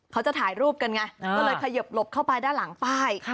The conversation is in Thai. เขาจะถ่ายรูปกันไงก็เลยขยิบหลบเข้าไปด้านหลังป้าย